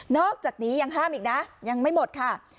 อกจากนี้ยังห้ามอีกนะยังไม่หมดค่ะ